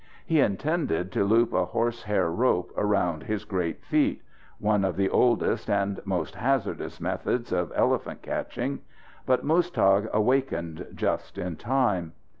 He intended to loop a horsehair rope about his great feet one of the oldest and most hazardous methods of elephant catching. But Muztagh wakened just in time.